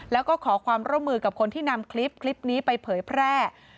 แล้วก็ขอความร่วมมือกับคนที่นำคลิปนี้ไปเผยแพร่